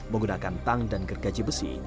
menggunakan tang dan gergaji besi